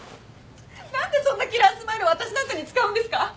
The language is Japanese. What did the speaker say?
何でそんなキラースマイルを私なんかに使うんですか？